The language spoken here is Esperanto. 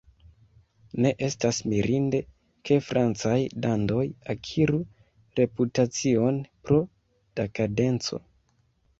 Ne estas mirinde, ke francaj dandoj akiru reputacion pro dekadenco.